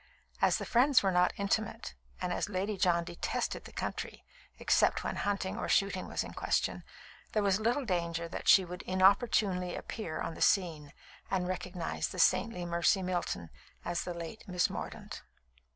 As the friends were not intimate, and as Lady John detested the country, except when hunting or shooting was in question, there was little danger that she would inopportunely appear on the scene and recognise the saintly Mercy Milton as the late Miss Mordaunt.